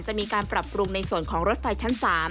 จะมีการปรับปรุงในส่วนของรถไฟชั้น๓